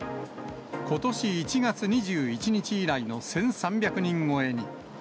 ことし１月２１日以来の１３００人超えに。